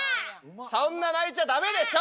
そんな泣いちゃダメでしょ！